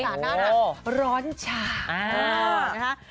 สาร้านร้อนห่าง